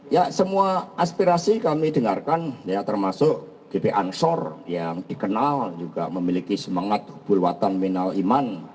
ya semua aspirasi kami dengarkan ya termasuk gp ansor yang dikenal juga memiliki semangat bulwatan minal iman